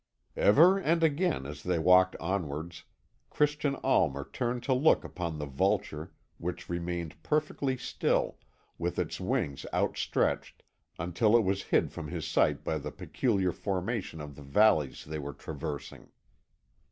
Ever and again, as they walked onwards, Christian Almer turned to look upon the vulture, which remained perfectly still, with its wings outstretched, until it was hid from his sight by the peculiar formation of the valleys they were traversing.